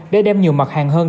để đem nhiều mặt hàng hơn